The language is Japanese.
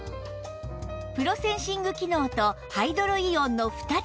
プロセンシング機能とハイドロイオンの２つで